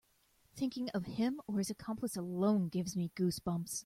Thinking of him or his accomplice alone gives me goose bumps.